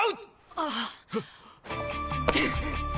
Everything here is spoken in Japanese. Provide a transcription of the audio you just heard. ああ！